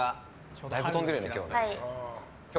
だいぶ飛んでるよね、今日。